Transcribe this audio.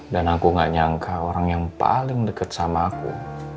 dan aku gak nyangka orang yang paling deket sama aku